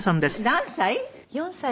何歳？